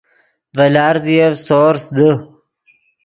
ڤے لارزیف سورس دے